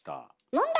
問題！